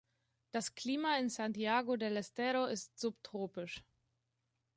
Das Klima in Santiago del Estero ist subtropisch.